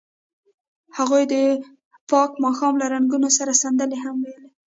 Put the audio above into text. هغوی د پاک ماښام له رنګونو سره سندرې هم ویلې.